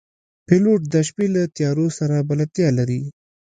پیلوټ د شپې له تیارو سره بلدتیا لري.